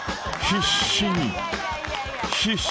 必死に］